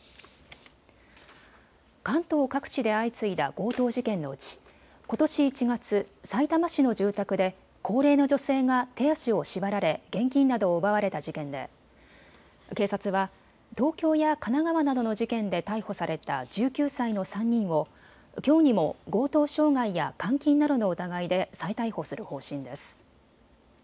関東各地で相次いだ強盗事件のうち、ことし１月、さいたま市の住宅で高齢の女性が手足を縛られ現金などを奪われた事件で警察は東京や神奈川などの事件で逮捕された１９歳の３人をきょうにも強盗傷害や監禁などの疑いで再逮捕する方針です。